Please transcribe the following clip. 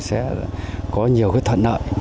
chúng tôi sẽ có nhiều thuận nợ